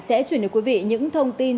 sẽ truyền được quý vị những thông tin